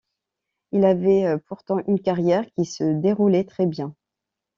Elle avait pourtant une carrière qui se déroulait très bien.